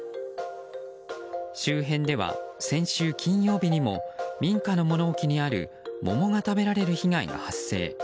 周辺では先週金曜日にも民家の物置にある桃が食べられる被害が発生。